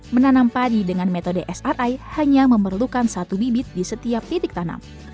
menanam padi dengan metode sri hanya memerlukan satu bibit di setiap titik tanam